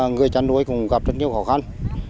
người chăn nuôi cũng gặp rất nhiều khó khăn